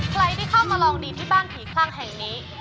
ใครที่เข้ามาลองดีที่บ้านผีคลั่งแห่งนี้